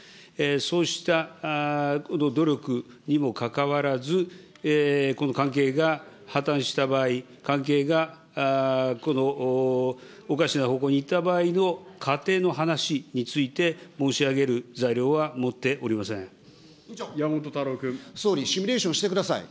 そうした努力にもかかわらず、この関係が破綻した場合、関係がおかしな方向にいった場合の仮定の話について、申し上げる山本太郎君。総理、シミュレーションしてください。